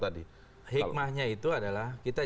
dia ini adalah